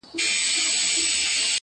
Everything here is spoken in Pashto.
• که پر در دي د یار دغه سوال قبلېږي..